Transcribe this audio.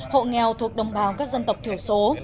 hộ nghèo thuộc đồng bào các dân tộc thiểu số